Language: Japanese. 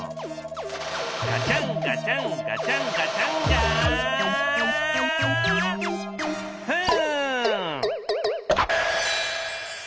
ガチャンガチャンガチャンガチャンガフン！